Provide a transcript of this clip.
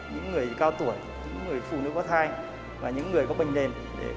những người cao tuổi những người phụ nữ có thai và những người có bệnh nền